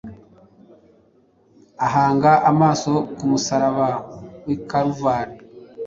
Ahanga amaso ku musaraba w’i Kaluvari,